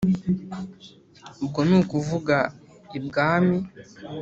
ubwo ni ukuvuga ibwami.